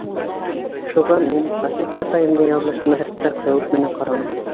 Шуға мин Асет апайымдың яҙмышына һәр саҡ хәүеф менән ҡараным.